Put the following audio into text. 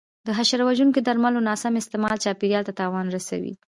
د حشره وژونکو درملو ناسم استعمال چاپېریال ته تاوان رسوي.